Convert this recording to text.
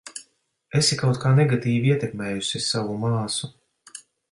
Esi kaut kā negatīvi ietekmējusi savu māsu.